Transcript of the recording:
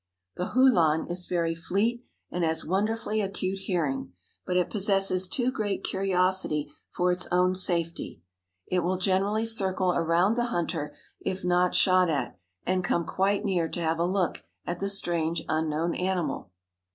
The hulan is very fleet and has wonderfully acute hearing, but it possesses too great curiosity for its own safety; it will generally circle around the hunter if not shot at, and come quite near to have a look at the strange, unknown animal.